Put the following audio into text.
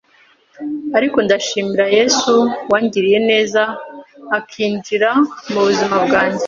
ariko ndashimira Yesu wangiriye neza akinjira mu buzima bwanjye